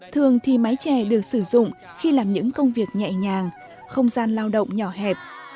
thường thì mái chè được sử dụng khi làm những công việc nhẹ nhàng không gian lao động nhỏ hẹp